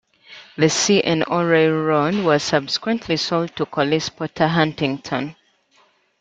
The C and O Railroad was subsequently sold to Collis Potter Huntington.